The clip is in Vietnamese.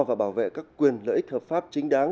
và bảo vệ các quyền lợi ích hợp pháp chính đáng